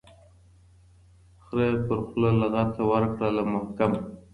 خره پرخوله لغته ورکړله محکمه